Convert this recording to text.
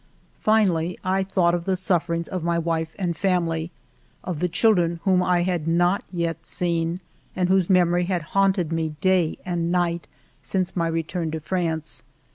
Finally I thought of the sufferings of my wife and family ; of the children whom I had not yet seen, and whose memorv had haunted me dav and night since my return to France.